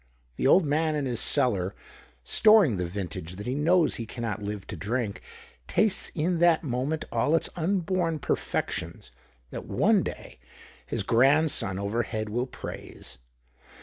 The old man in his cellar, storing the vintage that he knows he cannot live to drink, tastes in that moment all its unborn perfections that one day his grandson overhead will praise.